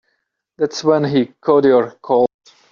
That's when he caught your cold.